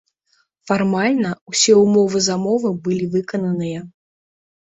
Фармальна, усе ўмовы замовы былі выкананыя.